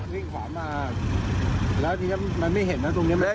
วิ่งขวามาแล้วทีนี้มันไม่เห็นนะตรงนี้ไหม